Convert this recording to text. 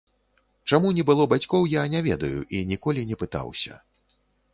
Чаму не было бацькоў, я не ведаю і ніколі не пытаўся.